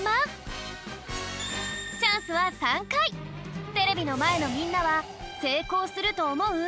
なんだかテレビのまえのみんなはせいこうするとおもう？